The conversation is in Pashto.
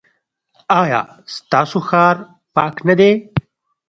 ایا ستاسو ښار پاک نه دی؟